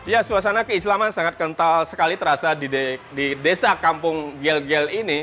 ya suasana keislaman sangat kental sekali terasa di desa kampung gel gel ini